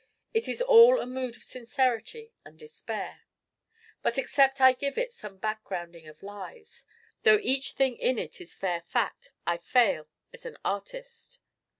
It is all a mood of sincerity and despair. But except I give it some backgrounding of lies, though each thing in it is fair fact, I fail as an Artist.